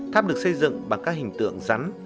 tháp được xây dựng bằng các hình tượng rắn